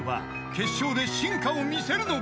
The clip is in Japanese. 決勝で進化を見せるのか？］